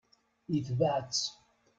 Itbeɛ-tt.